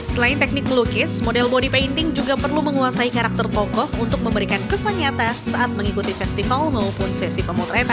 selain teknik melukis model body painting juga perlu menguasai karakter tokoh untuk memberikan kesan nyata saat mengikuti festival maupun sesi pemotretan